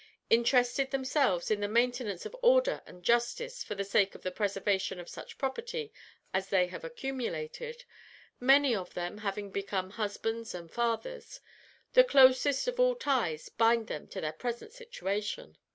Interested themselves in the maintenance of order and justice, for the sake of the preservation of such property as they have accumulated, many of them having become husbands and fathers, the closest of all ties bind them to their present situation.